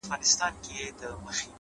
هره تجربه د فکر نوی رنګ دی؛